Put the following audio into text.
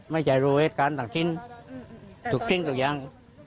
ไม่ใช่รู้เหมือนกันต่างขี้ถูกกลิ้งถูกยัง